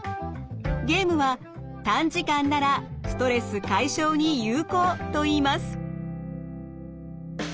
ゲームは短時間ならストレス解消に有効といいます。